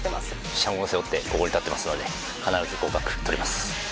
社運を背負ってここに立ってますので必ず合格とります